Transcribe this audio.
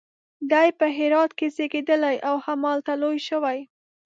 دی په هرات کې زیږېدلی او همالته لوی شوی.